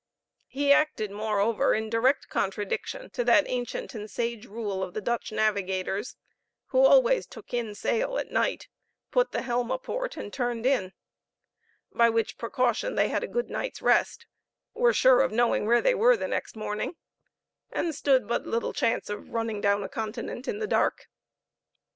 He acted, moreover, in direct contradiction to that ancient and sage rule of the Dutch navigators, who always took in sail at night, put the helm a port, and turned in; by which precaution they had a good night's rest, were sure of knowing where they were the next morning, and stood but little chance of running down a continent in the dark.